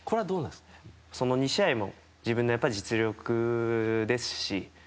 ２試合も自分の実力ですし。